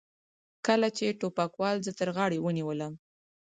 کله چې ټوپکوال زه تر غاړې ونیولم.